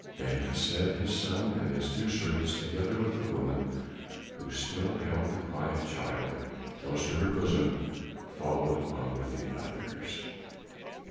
Ben Hesed, his son and his two servants, together with the woman, who still held the quiet child close to her bosom, followed on with the others.